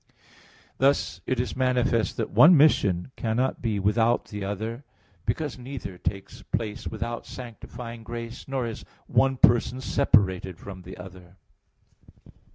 Thus it is manifest that one mission cannot be without the other, because neither takes place without sanctifying grace, nor is one person separated from the other.